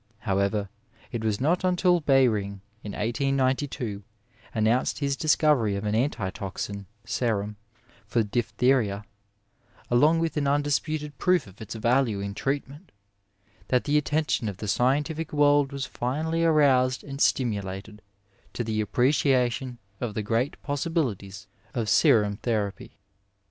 However, it was not until Behring in 1892 announced his discovery of an antitoxin serum for diphtheria, along with an undisputed proof of its value in treatment, that the attention of the scientific world was finally aroused and stimulated to the appreciation of the great possibilities of serum therapy.